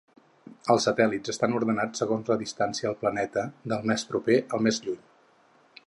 Els satèl·lits estan ordenats segons la distància al planeta, del més proper al més llunyà.